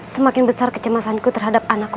semakin besar kecemasanku terhadap anakku